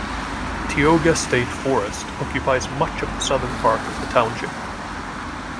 Tioga State Forest occupies much of the southern part of the township.